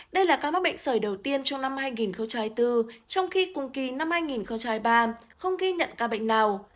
đây là ca mắc bệnh sởi đầu tiên trong năm hai nghìn bốn trong khi cùng kỳ năm hai nghìn ba không ghi nhận ca bệnh nào